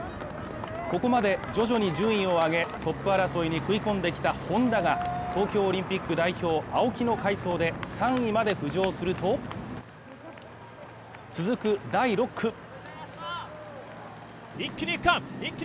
ここまで徐々に順位を上げ、トップ争いに食い込んできたＨｏｎｄａが東京オリンピック代表、青木の快走で３位まで浮上すると、続く第６区。